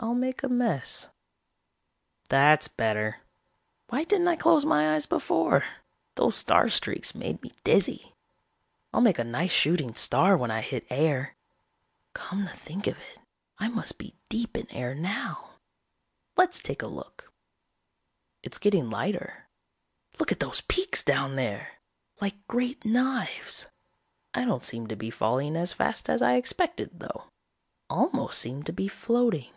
I'll make a mess ..."That's better. Why didn't I close my eyes before? Those star streaks made me dizzy. I'll make a nice shooting star when I hit air. Come to think of it, I must be deep in air now. Let's take a look. "It's getting lighter. Look at those peaks down there! Like great knives. I don't seem to be falling as fast as I expected though. Almost seem to be floating.